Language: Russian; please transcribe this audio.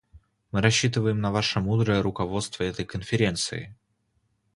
Мы рассчитываем на ваше мудрое руководство этой Конференцией.